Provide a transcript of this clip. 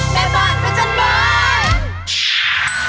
แม่ฟันพันเจนฟัน